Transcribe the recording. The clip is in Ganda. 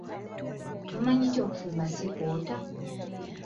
Tomanyi nti okufumba si kwota?